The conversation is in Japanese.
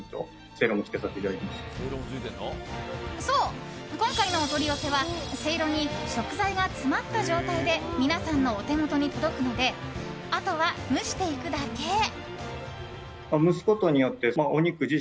そう、今回のお取り寄せはセイロに食材が詰まった状態で皆さんのお手元に届くのであとは蒸していくだけ。